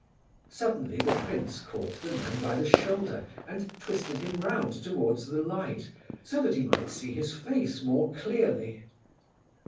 Suddenly the prince caught the man by the shoulder and twisted him round towards the light, so that he might see his face more clearly.